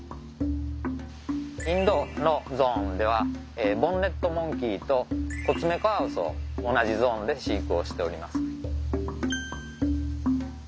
インドのゾーンではボンネットモンキーとコツメカワウソ同じゾーンで飼育をしております。